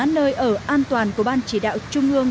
nơi ở an toàn của ban chỉ đạo trung ương